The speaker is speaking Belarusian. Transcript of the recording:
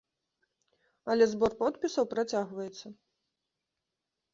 Але збор подпісаў працягваецца.